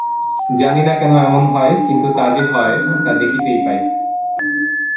জানি না কেন এমন হয়, কিন্তু তা যে হয়, তা দেখতেই পাই।